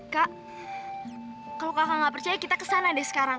kak kalau kakak gak percaya kita kesana deh sekarang